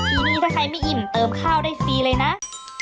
ทีนี้ถ้าใครไม่อิ่มเติมข้าวได้ฟรีเลยนะ